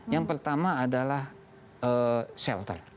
yang pertama adalah shelter